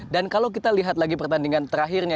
dan kalau kita lihat lagi pertandingan terakhirnya